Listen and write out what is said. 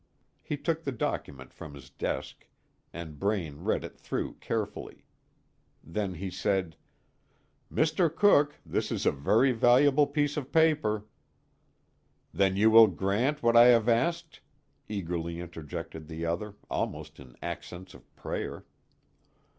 He took the document from his desk, and Braine read it through carefully. Then he said: "Mr. Cooke, this is a very valuable piece of paper." "Then you will grant what I have asked?" eagerly interjected the other, almost in accents of prayer.